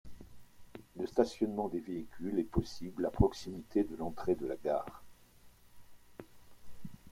Le stationnement des véhicules est possible à proximité de l'entrée de la gare.